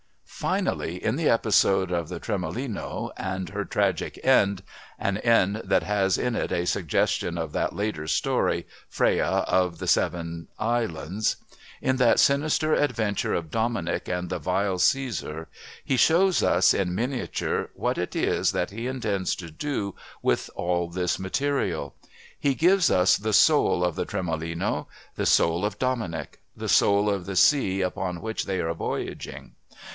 Finally, in the episode of the Tremolino and her tragic end (an end that has in it a suggestion of that later story, Freya of the Seven Islands), in that sinister adventure of Dominic and the vile Cæsar, he shows us, in miniature, what it is that he intends to do with all this material. He gives us the soul of the Tremolino, the soul of Dominic, the soul of the sea upon which they are voyaging.